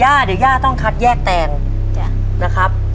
ย่าเดี๋ยวย่าต้องคัดแยกแตงนะครับ